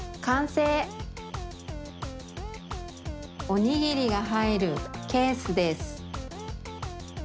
おにぎりがはいるケースです。